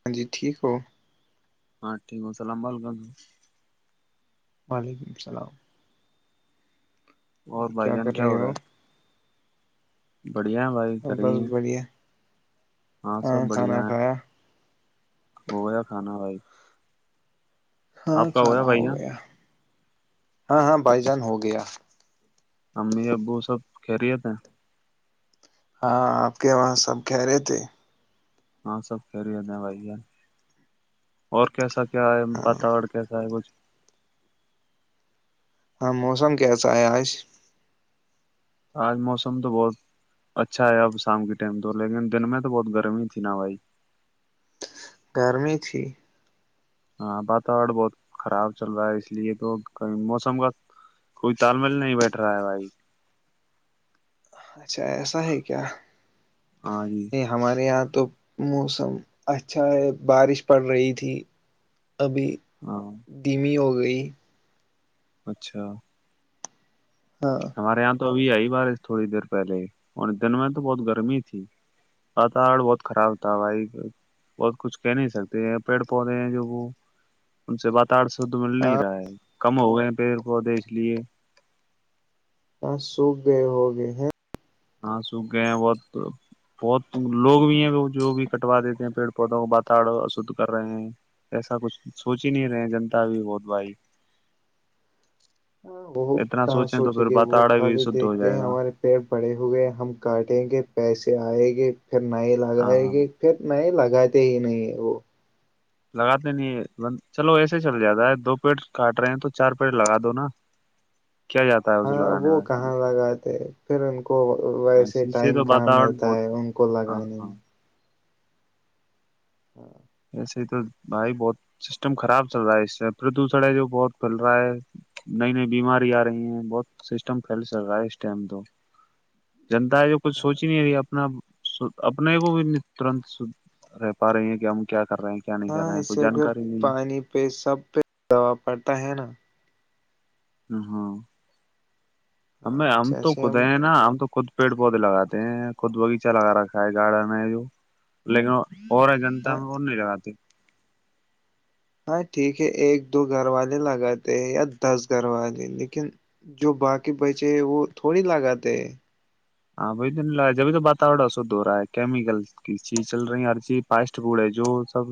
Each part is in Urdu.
ہاں جی ٹھیک ہو ہاں ٹھیک ہے السلام و علیکم وعلیکم اللام اور بھائی جان کیا ہو رہا ہے بڑھیا بھائی کر رہی بس ہیں بڑھیا ہاں سب کانا بڑھیا ہے کھا ہو جیا کھانا بھائی ہاں آپ کا ہوا کھانا بھائی ہو جان گیا ہاں ہاں بائی جان ہو گیا امی ابو سب کہہرییے تھ ہیں ہاں آپ کے وہاں سب کہہ رہے تھے ہاں سب پری ہےتے ہیں بھائی اور کیسا کیا ہے ہاں پاتاور کیسا ہے کچھ ہاں موسم کیسا ہے آج آج موسم تو بہت اچھا ہے اب شام کے ٹائم تو لیکن دن میں تو بہت گرمی تھی نا بھائی گرمی تھی ہاں واتور بہت خراب چل رہا ہے اس لیے تو کہیں موسم کا کوئی تال مل نہیں بیٹھ رہا ہے بھائی اچھا ایسا ہے کیا ہاں جی یہ ہمارے یہاں تو موسم اچھا ہے بارش پڑ رہی تھی ابھی ہاں دھیمی ہو گیا کوئی [unintelligible] اچھا ہاں ہمارے یہاں تو ابھی آئی بارش تھوڑی دیر پہلے اور دن میں تو بہت گرمی تھی واتور بہت خراب تھا بھائی بہت کچھ کہہ نہیں سکتے ہیں پیڑ پودے ہیں جو وہ ان سے واتور شھ مل نہیں ہاں رہا ہے کم ہو گئے پیڑ پودے اس لیے کہاں سوکھ گئے ہو گئے ہیں ہاں سوکھ گئے ہیں بہت بہت لوگ بھی ہیں جو بھی کٹوا دیتے ہیں پیڑ پودوں کو باتڑ اشھ کر رہے ہیں ایسا کچھ سوچ ہی نہیں رہے ہیں جنتا بھی بہت بھائی وہ اتنا کہاں تو سوچیں پھر گے وہ باتاڑا بھی خالی شدھ ہو دیکھتے جائے ہیں گا ہمارے پیڑ بڑے ہوئے ہیں ہم کاٹیں گے پیسے آئے گے پھر ن ہاں لگائے ہاں گی پھر ن لگ لگاتے ہی نہیں وہ لگاتے نہیں ہے بند چلو ایسے چل جاتا ہے دو پیڑ کاٹ رہے ہیں تو چار پیڑ لگا دو نا کیا جاتا ہے اسے ہاں لگانے وہ میں کہاں لگاتے پھر ان کو ویسے اسی سے ٹائم تو کہاں واتاورن ملتا بہت ہے ان کو لگانے ہاں میں ہاں سے تو بھائی بہت سسٹم خراب چل رہا ہے پردوشن ہے جو بہت پھیل رہا ہے نئی نئی بیماری آ رہی ہیں بہت سسٹم پھیل چل رہا ہے اس ٹائم تو جنتا ہے جو کچھ سوچ ہی نہیں رہی ہے اپنا ھ اپنے کو بھی ترنت سھ رہ پا رہی ہیں کہ ہم کیا کر رہے ہیں کیا نہیں کر ہاں رہے ہیں کوئی اسے پھر جانکاری نہیں پانی پہ سب پہ دوا پڑتا ہے نا ہ ہاں ہم ہاں ہم تو جیسے خود ہم ہیں نا ہم تو خود پیڑ پودے لگاتے ہیں خود باغیچہ لگا رکھا ہے گارڈن ہے جو لیکن اور ہے جنتا ہاں میں اور نہیں لگاتی ہاں ٹھیک ہے ایک دو گھر والے لگاتے ہیں یا دس گھر والے لیکن جو باقی بچے ہیں وہ تھوڑی لگاتے ہیں ہاں بائی تو جبھی تو باتور س د ہو رہا ہے کیمیکل کی چیز چل رہی ہر چیز پسٹ فڈ ہے جو سب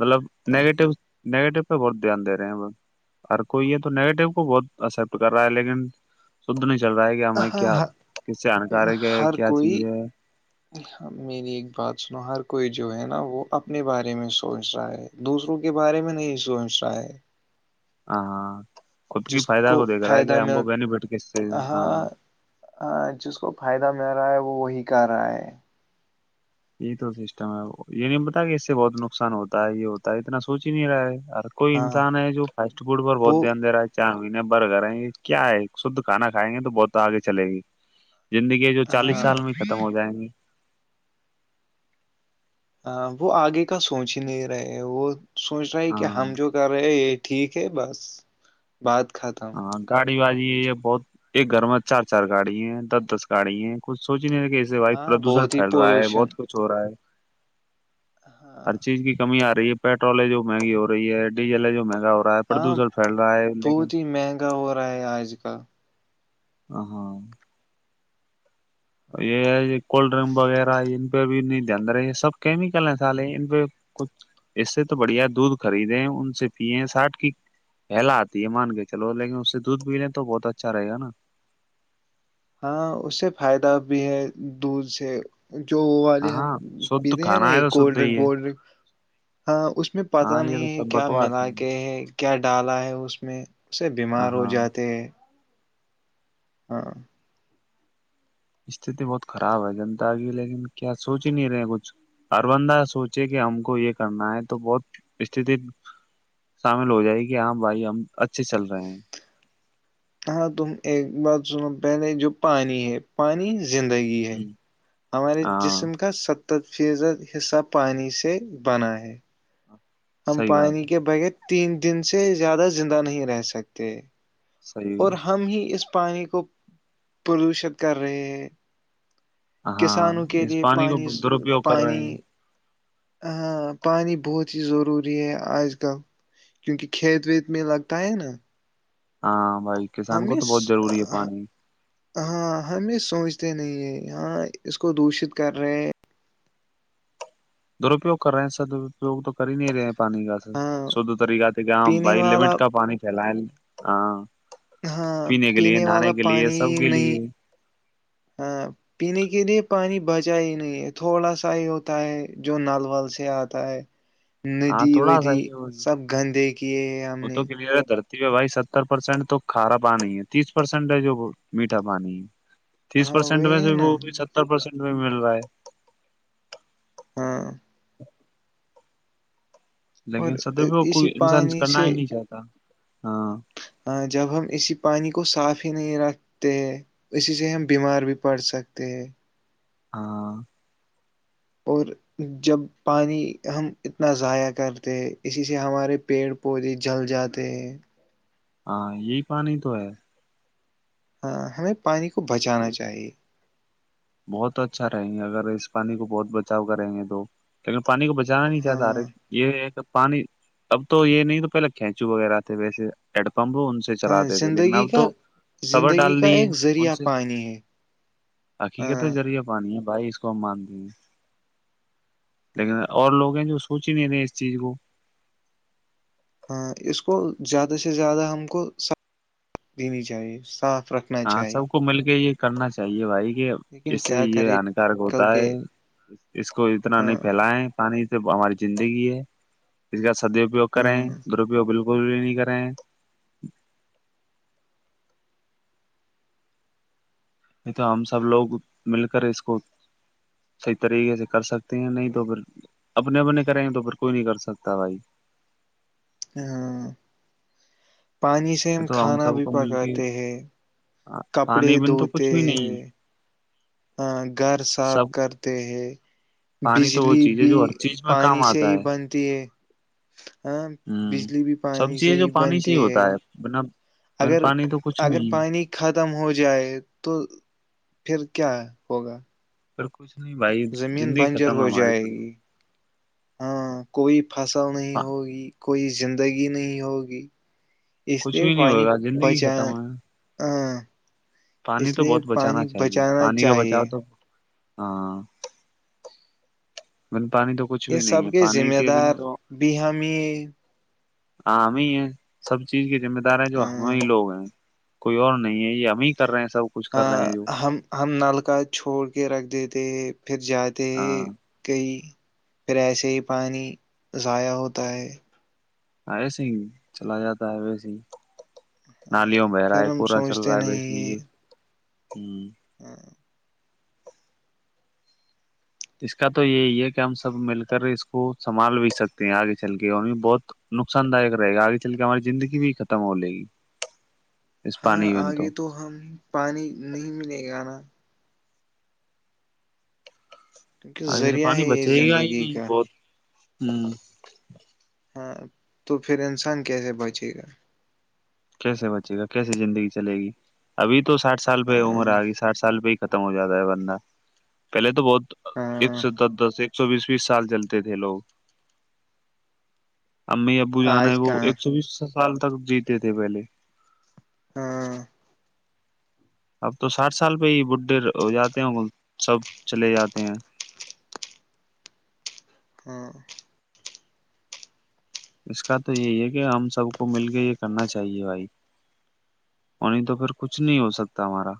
مطلب نیگیٹیو نگیٹو پہ بہت دھیان د رہے ہیں ب ہ کوئی یہ تو نگیٹو کو بہت اسپٹ کر رہا ہے لیکن شھ چل رہا ہے گ ہمیں ہاں کیا ہاں کس سے آنے سارے گ ہر کیا چیز کوئی ہے میری ایک بات سنو ہر کوئی جو ہے نا وہ اپنے بارے میں سوچ رہا ہے دوسروں کے بارے میں نہیں سوچ رہا ہے ہاں خود کی جس فائدہ کو دیکھ رہا ہے فائدہ کہ ہم مل کو بینیفٹ کس سے ہاں ہاں جس کو فائدہ مل کہ رہا ہے وہ وہی کر رہا ہے یہی تو سسٹم ہے یہ نہیں پتا کہ اس سے بہت نقصان ہوتا ہے یہ ہوتا ہے اتنا سوچ ہی نہیں رہا ہے کوئی ہاں انسان ہے جو فاسٹ فوڈ پر وہ بہت دھیان د رہا ہے چاہ مہنے بر کریں کیا ہے شھ کھانا کھائیں گے تو بہت آگے چلے گی زندگیاں جو چالیس ہاں سال میں ختم ہو جائیں گی ہاں وہ آگے کا سوچ ہی نہیں رہے وہ سوچ رہا ہے کہ ہم ہاں جو کر رہے ہیں ٹھیک ہے بس بعات ختم گڑی بازی ہے یہ بہت ایک گھر میں چار چار گاڑی ہے دس دس گاڑی ہے کچھ سوچ کہ سے واو ہاں پردوشن بہت ہی پھیلا ہے پولوشن بہت کچھ ہو رہا ہے ہاں ہر چیز کی کمی آ رہی رہی یہ پیٹرول ہے جو منگی ہو رہی ہے ڈیزل ہے جو مہگ ہو رہا ہے ہاں پردوشن پھیل رہا ہے لیکن بہت ہی مہنگا ہو رہا ہے آج کل ہ ہاں یہ کولڈ ڈرنک وغیرہ ان پہ بھی نہیں دند رہے سب کیمیکل ہیں سالے ان پہ کچھ اس سے تو بڑھیا دودھ خریدیں ان سے پیئے ساٹ کی پلا آتی ہے مان کے چلو لیکن اس سے دودھ پی لیں تو بہت اچھا رہے گا نا ہاں اس سے فائدہ بھی ہے دھ سے جو والے ہم ہاں شھ پیتے ہیں نا کھانا ہے ایک تو کولڈ شھ ہی ہے ڈرنکولڈ ڈرنک ہاں اس میں پتہ ہاں یہ تو نہیں ہے سب کیا بکواس ملا کے ہے کیا ڈالا ہے اس میں سے ہ بیمار ہو ہاں جاتے ہیں ہاں استتی بہت خراب ہے جنتا کی لیکن کیا سوچ ہی نہیں رہے کچھ ہربندہ سوچے کہ ہم کو یہ کرنا ہے تو بہت است شامل ہو جائے کہ ہاں بھائی ہم اچھے چل رہے ہیں ہاں تم ایک بات سنو پہلے جو پانی ہے پانی زندگی ہے ہ ہمارے ہاں جسم کا سب ت فیضد حصہ پانی سے بن ہے ہم صحیح پانی بات کے بغیر تین دن سے زیادہ زندہ نہیں رہ سکتے صحیح اور ہم ہی اس پانی کو پلوشت کر رہے ہے ہاں اس پانی کو درپیوگ کر رہے پانی ہیں ہاں پانی بہت ہی ضروری ہے آج کل کیونکہ کھیت ویت میں لگتا ہے نا ہاں بھائی کسان کو ہمیں تو بہت ضروری ہے پانی ہاں ہم یہ سوچتے نہیں ہے ہاں اس کو دوشت کر رہے ہیں درپیوگ کر رہے ہیں سرپیگ تو کر ہی نہیں رہے ہیں پانی کا س ہاں شھ طریقہ سے کہاں پینے بھائی لمٹ والا کا پانی پھیلائ ہاں ہاں کے لیے پینے والا نہانے کے لیے پانی سب کے نہیں لیے ہاں پینے کے لیے پانی بچا ہی نہیں ہے تھوڑا سا ہی ہوتا ہے جو نل ول سے آتا ہے ہاں ندی تھوڑا سا ودی ہی ہو وہ سب گندے کیے ہیں ہم وہ نے تو کلیئر ہے دھرتی بھائی ستر پرسینٹ تو کھارا پانی ہے تیس پرسینٹ ہے جو میٹھا پانی ہے تیس ہاں پرسینٹ وہی میں ہے سے نا وہ بھی ستر پرسینٹ بھی مل رہا ہے ہاں اور لیکن سدووں کوئی انسان کرنا ہی نہیں چاہتا ہاں ہاں جب ہم اسی پانی کو صاف [unintelligible] نہیں رکھتے اسی سے ہم بیمار بھی پڑ سکتے ہیں [unintelligible] ہاں [unintelligible] اور جب پانی ہم اتنا ضائع کرتے ہیں اسی سے ہمارے پیڑ پودے جل جاتے ہیں [unintelligible] ہاں یہی پانی تو ہے [unintelligible] ہاں ہمیں پانی کو [unintelligible] کو بچانا چاہیے [unintelligible] بہت اچھا رہیں گے اگر اس پانی کو بہت بچاؤ کریں گے تو لیکن [unintelligible] پانی کو بچانا نہیں چاہتا ارے ہاں یہ [unintelligible] پانی اب تو یہ نہیں تو پہلے کھینچو وغیرہ تھے ویسے ایڈ [unintelligible] پمبو ان سے ہاں چلاتے تھے لیکن زندگی اب کا تو صبر زندگی ڈال کا دی ہے ایک ان ذریعہ سے پانی ہے [unintelligible] ھ ہے ہاں توذریہ پا بھائی اس کو مانتے ہیں لیکن ہاں اور لوگ ہیں جو اس کو سوچ ہی نہیں رہے اس چیز کو ہاں اس کو زیادہ سے زیادہ ہم کو دینی چاہیے صاف رکھنا ہاں سب چاہیے کو مل کے یہ کرنا چاہیے بھائی یہ لیکن اس سے کیا یہ کرے ہانیکارک آج ہوتا کل ہے کے اس کو اتنا آ، نہیں پھیلائے پانی ہماری زندگی ہے اس کا س سادی بھیگ کریں ہاں دروی ب گول نہیں کریں نہیں تو ہم سب لوگ مل کر اس کو صحیح طریقے سے کر سکتے ہیں نہیں تو پھر اپنے اپنے کریں گ تو پھر کوئی نہیں کر سکتا بھائی ہاں پانی سے ہم تو کھانا سب بھی کو مل کے پکاتے ہیں کپڑے پانی بن تو دھوتے کچھ بھی نہیں ہے ہیں ہاں گھر صاف سب کرتے ہے پانی تو وہ بجلی چیز ہے بھی جو ہر چیز میں پانی کام سے ہی بنتی ہے جی ہوں سب چییں جو پانی سے ہی ہوتا ہے بنا بن اگر پانی تو کچھ اگر نہیں ہے پانی ختم ہو جائے تو پھر کیا ہوگا بالکل کچھ نہیں بھائی زمین زندگی بنجر ختم ہے ہو ہماری جائے بڑ گی ہاں کوئی فصل نہیں ہوگی کوئی زندگی نہیں ہوگی اس کچھ لی بھی نہیں وانی ہوگا زندگی بچا ہ ختم ہے پانی تو بہت بچانا چاہیے بچانا پانی کا چاہیے بچاؤ تو ہاں مل یہ سب کے ذمہ دار بھی ہمامی آام ہی ہے سب چیز کے ج ادارے جو ہمیں ہی ہاں لوگ ہیں کوئی اور نہیں ہے یہ ہم ہی کر رہے ہیں سب کچھ ہ کر رہے ہیں جو ہم ہم نلک چھوڑ کے رکھ جیتے پھر جاتے ہیں ہاں کئی پھر ایسے ہی پانی ضائع ہوتا ہے آئے س چلا جاتا ہےوئے س نالیوں بہ رہا ہے پھر ہم کوورا چل سوچتے رہا ہے بیسن بھی ہوں ہاں اس کا تو یہی ہے کہ ہم سب مل کر اس کو سنبھال بھی سکتے ہیں آگے چل کے اور یہ بہت نقصان دائک رہے گا آگے چل کے ہماری زندگی بھی ختم ہو لے گی اس ہاں پانی ایون آگے تو ہم پانی نہیں ملے گا نا کیونکہ ہاںے ذریعہ پانی ہے یہ بچے گا ہی زندگی نہیں کا بہت ہوں ہاں تو پھر انسان کیسے بچے گا کیسے بچے گا کیسے زندگی چلے گی ابھی تو تو سٹ سال پہ عمر ہاں آ گی سٹھ سال پہ ختم ہو جاتا ہے بندہ پہلے تو بہت ایک ہاں سو دس دس ایک سو بیس بیس سال چلتے تھے لوگ امی ابو جانا ہے آج وہ کہاں ایک سو بیس سال سال تک جیتے ے پہلے ہاں اب تو ساٹھ سال پہ ہی بڈھے ہو جاتے ہیں سب چلے جاتے ہیں ہاں اس کا تو یہی ہے کہ ہم سب کو مل کے یہ کرنا چاہیے بھائی وہ نہیں تو پھر کچھ نہیں ہو سکتا ہمارا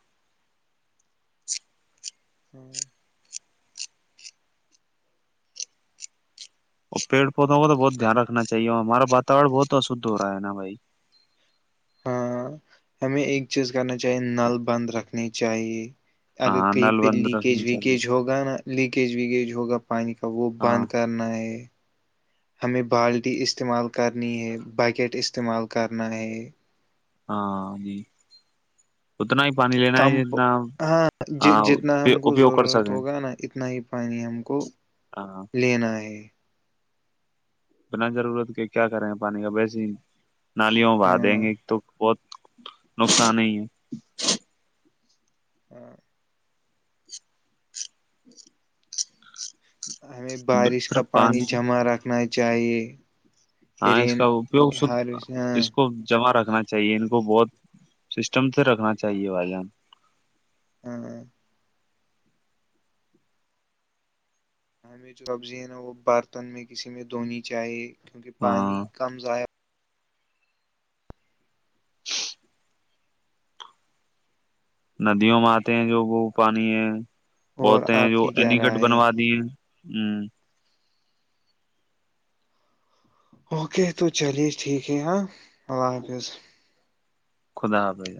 ہوں اور پیڑ پودوں کو تو بہت دھیان رکھنا چاہیے ہمارا واتور بہت اشھ ہو رہا ہے نا بھائی ہاں ہمیں ایک چیز کرنا چاہیے نل بند رکھنی چاہیے اگر ہاں کہیں۔ نل پہ بند لییکیج رکھنی چاہیے ویکیج ہوگا نایک کیج ویگیج ہوگا پانی کا وہ بند ہاں کرنا ہے ہمیں بالٹی استعمال کرنی ہے بکٹ استعمال کرنا ہے ہاں جی اتنا ہی پانی لینا ہے کمپ جتنا ہاں ہاں جتنا ہم کو اپیوگ کر ضرورت سکیں ہوگا نا اتنا ہی پانی ہم کو ہاں لینا ہے بنا ضرورت کہ کیا کریں ہیں پانی کا ویسے ہی نالیوں با دیں ہاں گے تو بہت نقصان ہی ہے ہاں ہمیں ہے بارش کا صرف پانی جمع رکھنا چاہیے ج ہاں اس کا اپوگ ش ہاں اس کو جمع رکھ رکھنا چاہے ان کو بہت سسٹم سے رکھنا چاہیے بھائی جان ہاں ہ ہمیں جو سبزی ہے نا وہ برتن میں کسی میں دھونی چاہے کیونکہ پانی ہاں کم ضائع ندیوں میں آتے ہیں جو وہ پانی ہے اور بہتے ہیں آپ جو کی کیا اینگڈ رائے ہے بنوا دی ہیں ہوں اوکے تو چلیے ٹھیک ہے ہاں اللہ حافظ خدا حابھ گ